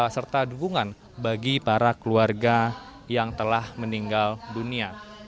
serta dukungan bagi para keluarga yang telah meninggal dunia